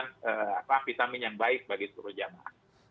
dan memasukkan vitamin yang baik bagi seluruh jamaah